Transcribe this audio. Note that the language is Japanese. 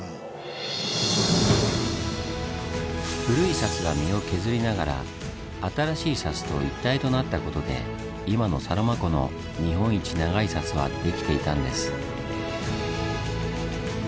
古い砂州が身を削りながら新しい砂州と一体となったことで今のサロマ湖の日本一長い砂州はできていたんです。